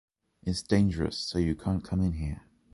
It’s dangerous, so you can’t come in here.